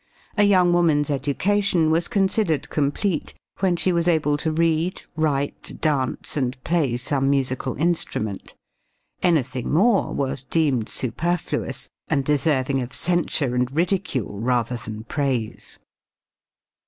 A young woman's education was considered complete when she was able to read, write, dance and play some musical instrument. Anything more was deemed superfluous and deserving of censure and ridicule rather than praise.